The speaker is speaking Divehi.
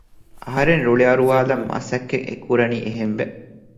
އަހަރެން ރުޅި އަރުވާލަން މަސައްކަތް އެކުރަނީ އެހެންވެ